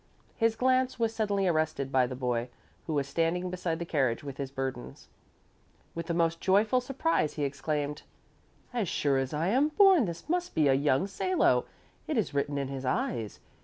His glance was suddenly arrested by the boy, who was standing beside the carriage with his burdens. With the most joyful surprise he exclaimed, "As sure as I am born this must be a young Salo. It is written in his eyes.